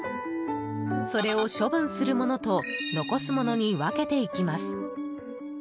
それを、処分するものと残すものに分けていきます。